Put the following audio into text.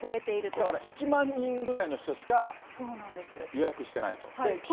だから１万人ぐらいの人しか予約してないと。